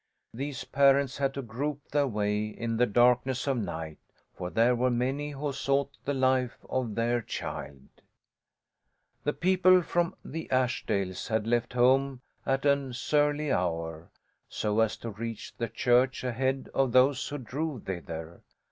These parents had to grope their way in the darkness of night, for there were many who sought the life of their child. The people from the Ashdales had left home at an surly hour, so as to reach the church ahead of those who drove thither.